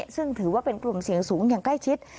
ซึ่งถือว่าเป็นกลุ่มเสี่ยงสูงอย่างใกล้ชิด